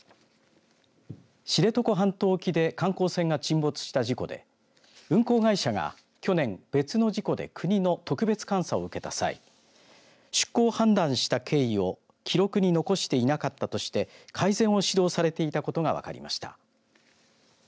知床半島沖で観光船が沈没した事故で運航会社が去年、別の事故で国の特別監査を受けた際出航を判断した経緯を記録に残していなかったとして改善を指導されてたことが分かりました。